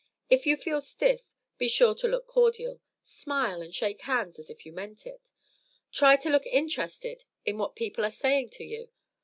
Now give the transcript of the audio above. If you feel stiff, be sure to look cordial. Smile, and shake hands as if you meant it. Try to look interested in what people are saying to you.